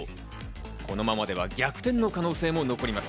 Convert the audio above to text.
このままでは逆転の可能性も残ります。